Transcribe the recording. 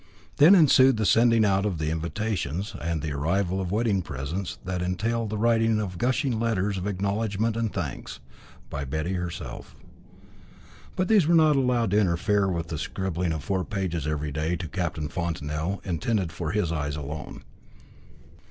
Then ensued the sending out of the invitations, and the arrival of wedding presents, that entailed the writing of gushing letters of acknowledgment and thanks, by Betty herself. But these were not allowed to interfere with the scribbling of four pages every day to Captain Fontanel, intended for his eyes alone.